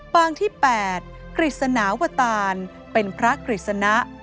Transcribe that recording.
ปางที่๘กฤษณาวตารเป็นพระกฤษณะ